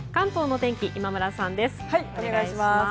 お願いします。